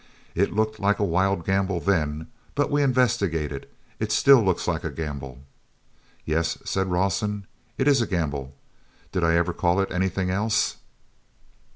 It looked like a wild gamble then, but we investigated. It still looks like a gamble." "Yes," said Rawson, "it is a gamble. Did I ever call it anything else?"